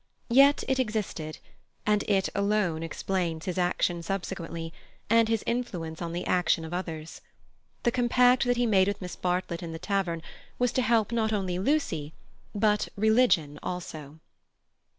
Yet it existed, and it alone explains his action subsequently, and his influence on the action of others. The compact that he made with Miss Bartlett in the tavern, was to help not only Lucy, but religion also.